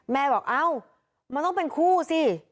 แม่บอกเอ้ามันต้องเป็นคู่สิ